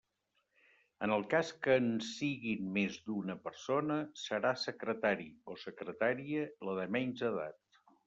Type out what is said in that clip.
En el cas que en siguin més d'una persona, serà secretari o secretària la de menys edat.